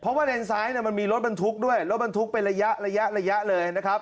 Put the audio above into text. เพราะว่าเลนซ้ายมันมีรถบรรทุกด้วยรถบรรทุกเป็นระยะระยะเลยนะครับ